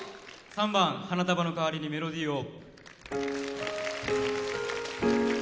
３番「花束のかわりにメロディーを」。